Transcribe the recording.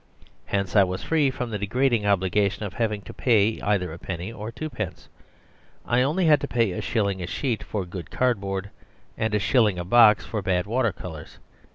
Hence I was free from the degrading obligation of having to pay either a penny or twopence; I only had to pay a shilling a sheet for good cardboard and a shilling a box for bad water colours.